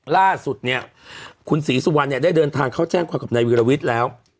ล่าสุดเนี่ยคุณศรีสุวรรณได้เดินทางเขาแจ้งความความกวมกับนายวีรวิทรแล้ว